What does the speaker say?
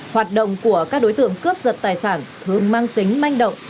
hoạt động của các đối tượng cướp dật tài sản hướng mang tính manh động